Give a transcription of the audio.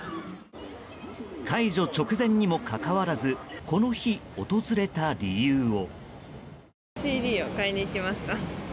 解除直前にもかかわらずこの日、訪れた理由を。